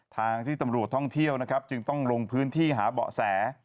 ทางที่ตำรวจท่องเที่ยวนะครับจึงต้องลงพื้นที่หาเบาะแส